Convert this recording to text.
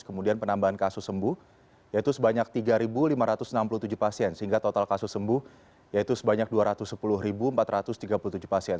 kemudian penambahan kasus sembuh yaitu sebanyak tiga lima ratus enam puluh tujuh pasien sehingga total kasus sembuh yaitu sebanyak dua ratus sepuluh empat ratus tiga puluh tujuh pasien